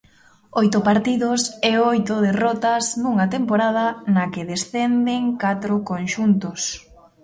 Oito partidos e oito derrotas nunha temporada na que descenden catro conxuntos.